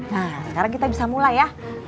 nah sekarang kita bisa mulai ya